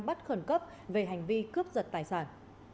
bắt khẩn cấp về hành vi cướp giật tài sản